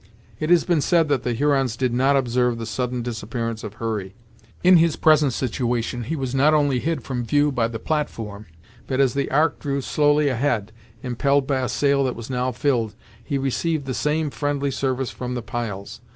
It has been said that the Hurons did not observe the sudden disappearance of Hurry. In his present situation he was not only hid from view by the platform, but, as the Ark drew slowly ahead, impelled by a sail that was now filled, he received the same friendly service from the piles.